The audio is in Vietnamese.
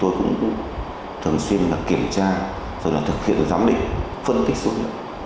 thì chúng tôi cũng thường xuyên kiểm tra rồi là thực hiện giám định phân tích xuất lực